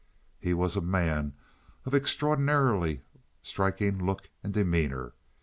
He was a man of extraordinarily striking look and demeanor.